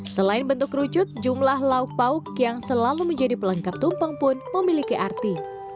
selain bentuk kerucut jumlah lauk pauk yang selalu menjadi pelengkap tumpeng pun memiliki arti